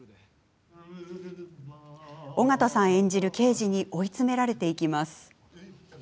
演じる刑事に追い詰められていきます。